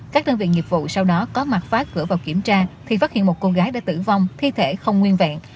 các đơn vị nghiệp vụ sau đó có mặt pháp cửa vào kiểm tra thì phát hiện một cô gái đã tử vong thi thể không nguyên vẹn